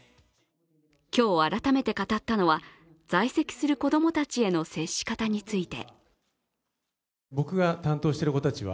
今日改めて語ったのは在籍する子供たちについての接し方について。